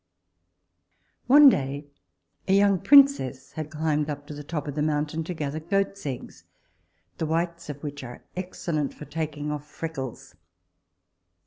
One day a young princess had climbed up to the top of the mountain to gather goat's eggs, the whites of which are excellent for taking off freckles.